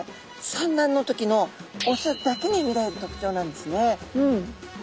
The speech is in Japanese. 産卵の時のオスだけに見られる特徴なんですね。